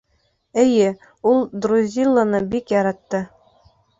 Эйе, ул Друзилланы бик яратты.